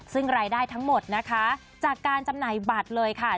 ซึ่งรายได้ทั้งหมดนะคะจากการจำหน่ายบัตรเลยค่ะ